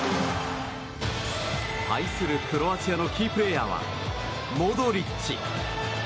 対するクロアチアのキープレーヤーは、モドリッチ。